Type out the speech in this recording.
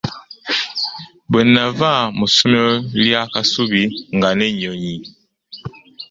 Bwenaava mu ssomero lya Kasubi nga nenyonyi.